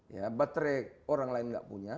ya baterai orang lain nggak punya